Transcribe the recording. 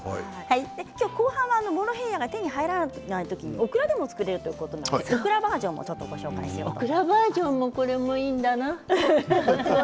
今日は後半はモロヘイヤが手に入らない時にオクラでも作れるということでオクラバージョンもご紹介します。